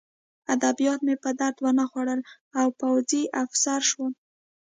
ادبیات مې په درد ونه خوړل او پوځي افسر شوم